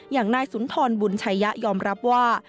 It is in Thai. อย่างนายสุนทรบุญชัยะยอมรับว่า